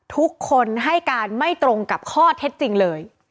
ทุกคนให้การไม่ตรงกับข้อเท็จจริงเลย